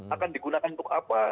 akan digunakan untuk apa